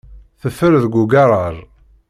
Teffer deg ugaṛaj.